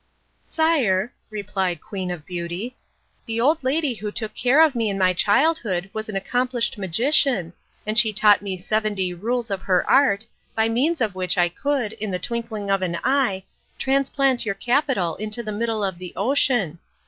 "Sire," replied Queen of Beauty, "the old lady who took care of me in my childhood was an accomplished magician, and she taught me seventy rules of her art, by means of which I could, in the twinkling of an eye, transplant your capital into the middle of the ocean.